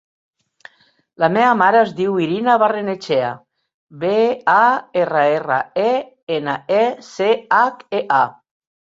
La meva mare es diu Irina Barrenechea: be, a, erra, erra, e, ena, e, ce, hac, e, a.